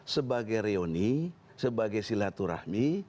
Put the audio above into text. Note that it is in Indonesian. sebagai reoni sebagai silaturahmi